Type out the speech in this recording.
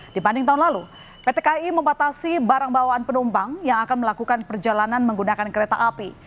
dibanding tahun lalu pt ki membatasi barang bawaan penumpang yang akan melakukan perjalanan menggunakan kereta api